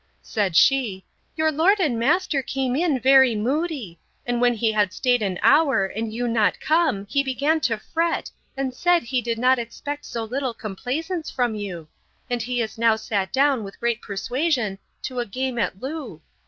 Said she, Your lord and master came in very moody; and when he had staid an hour, and you not come, he began to fret, and said, He did not expect so little complaisance from you. And he is now sat down, with great persuasion, to a game at loo.